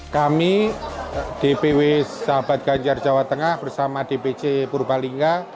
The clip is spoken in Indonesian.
kami dpw sahabat ganjar jawa tengah bersama dpc purbalingga